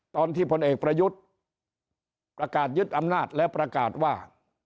พลเอกประยุทธ์ประกาศยึดอำนาจและประกาศว่า